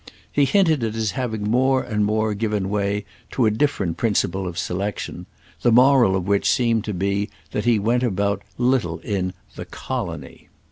He hinted at his having more and more given way to a different principle of selection; the moral of which seemed to be that he went about little in the "colony."